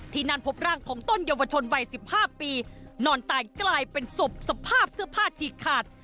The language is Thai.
ที่นั่นพบร่างของต้นเยาวชนวัย๑๕ปีนอนตายกลายเป็นศพสภาพเสื้อผ้าฉีกขาด